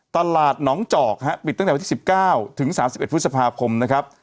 ตลาดหนองจอกนะฮะปิดตั้งแต่วันที่สิบเก้าถึงสามสิบเอ็ดพฤษภาคมนะครับ